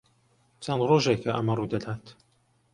چەند ڕۆژێکە ئەمە ڕوو دەدات.